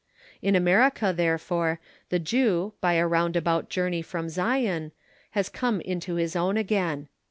In America, therefore, the Jew, by a roundabout journey from Zion, has come into his own again.